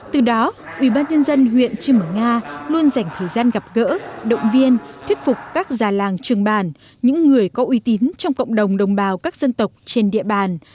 từ đó ubnd huyện chư mở nga luôn dành thời gian gặp gỡ động viên thuyết phục các già làng trường bản những người có uy tín trong cộng đồng đồng bào các dân tộc trên địa bàn